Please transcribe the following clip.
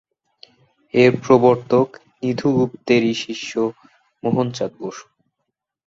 এর প্রবর্তক নিধু গুপ্তেরই শিষ্য মোহনচাঁদ বসু।